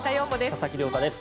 佐々木亮太です。